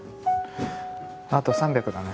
あと３００だね。